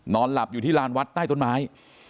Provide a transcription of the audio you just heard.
หลับอยู่ที่ลานวัดใต้ต้นไม้